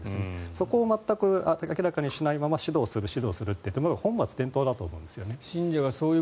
そこを全く明らかにしないまま指導する、指導するって本末転倒だと思うんです。